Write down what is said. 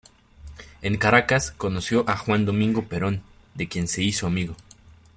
En Caracas, conoció a Juan Domingo Perón, de quien se hizo amigo.